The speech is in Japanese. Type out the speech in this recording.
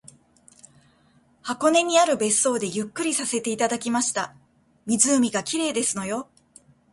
箱根にある別荘でゆっくりさせていただきました。湖が綺麗ですのよ